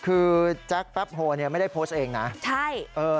คือแจ๊กปั๊บโภว์ไม่ได้โพสต์เองนะใช่